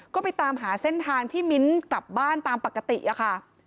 ก็ไปตามหาเส้นทางที่มิ้นกลับบ้านตามปกติอะค่ะ